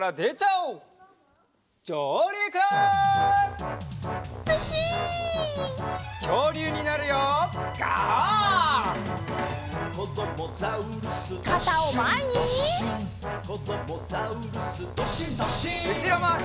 うしろまわし。